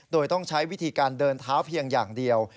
โดยต้องใช้วิธีการเดินเท้าเพียงอย่างเดียว